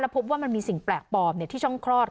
พบว่ามันมีสิ่งแปลกปลอมที่ช่องคลอด